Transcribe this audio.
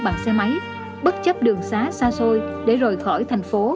bằng xe máy bất chấp đường xá xa xôi để rời khỏi thành phố